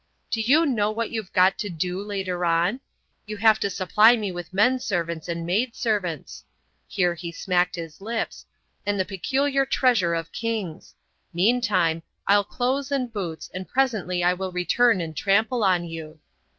"Do you know what you've got to do later on? You have to supply me with men servants and maid servants,"—here he smacked his lips,—"and the peculiar treasure of kings. Meantime I'll find clothes and boots, and presently I will return and trample on you."